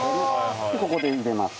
ここで入れます。